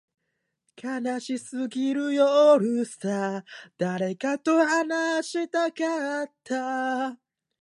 再提出のリポート